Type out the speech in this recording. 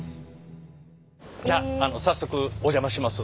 じゃああの早速お邪魔します。